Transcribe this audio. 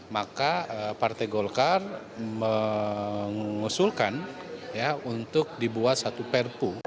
maka partai golkar mengusulkan untuk dibuat satu perpu